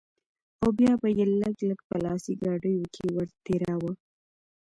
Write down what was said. او بيا به يې لږ لږ په لاسي ګاډيو کښې ورتېراوه.